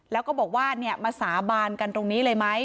แล้วก็บอกว่ามาสาบานกันตรงนี้เลยไหม